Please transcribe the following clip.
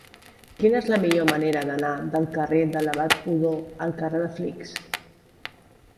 Quina és la millor manera d'anar del carrer de l'Abat Odó al carrer de Flix?